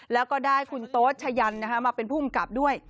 แล้วก็ได้คุณโต๊ชะยันมาเป็นผู้กำกับด้วย